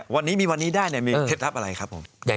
วันนี้มีวันนี้ได้มีเคล็ดลับอะไรครับผม